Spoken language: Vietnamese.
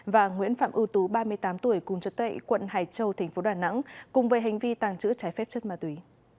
và nguyễn phạm ưu tú ba mươi tám tuổi cùng chất tệ quận hải châu tp đà nẵng cùng với hành vi tàng trữ trái phép chất ma túy